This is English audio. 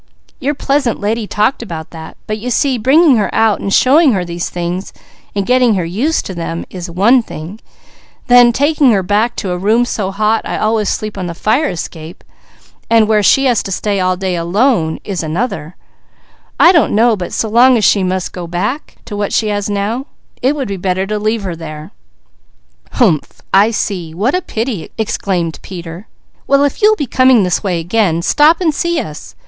"Your pleasant lady talked about that; but you see bringing her out and showing her these things, and getting her used to them is one thing; then taking her back to a room so hot I always sleep on the fire escape, and where she has to stay all day alone, is another. I don't know but so long as she must go back to what she has now, it would be better to leave her there." "Humph! I see! What a pity!" exclaimed Peter. "Well, if you'll be coming this way again, stop and see us.